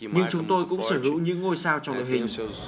nhưng chúng tôi cũng sở hữu những ngôi sao cho đội hình